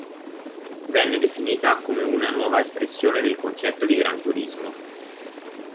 Venne definita come una nuova espressione del concetto di gran turismo.